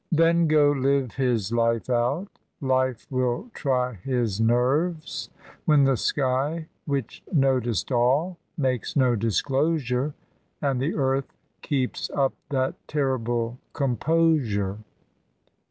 Then go live his life out; life will try his nerves WTien the sky, which noticed all, makes no disclosure, And the earth keeps up that terrible composure.